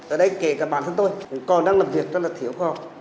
ở đây kể cả bản thân tôi còn đang làm việc rất là thiếu khó